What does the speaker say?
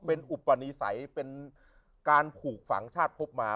เป็นอุปนิสัยเป็นการผูกฝังชาติพบมา